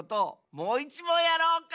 もう１もんやろうか！